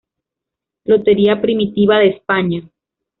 Lotería Primitiva de España